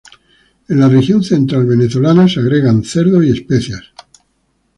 En la región central venezolana se agregan cerdo y especias.